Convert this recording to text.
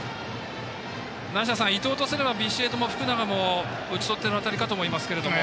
梨田さん、伊藤とすればビシエドも福永も打ち取っている当たりかと思いますが。